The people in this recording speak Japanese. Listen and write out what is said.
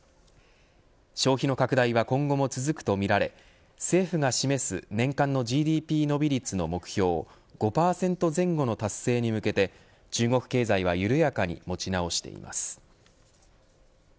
消費の拡大は今後も続くとみられ政府が示す年間のＧＤＰ伸び率の目標５％前後の達成に向けて中国経済は緩やかに持ち直しています。